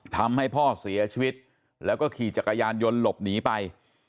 ทำให้พ่อเสียชีวิตแล้วก็ขี่จักรยานยนต์หลบหนีไป